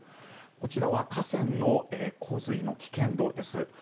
こちらは河川の洪水の危険度です。